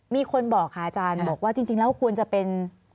มีคนบอกค่ะอาจารย์บอกว่าจริงแล้วควรจะเป็น